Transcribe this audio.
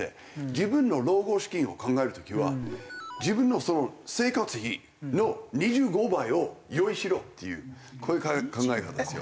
自分の老後資金を考える時は自分の生活費の２５倍を用意しろっていうこういう考えがあるんですよ。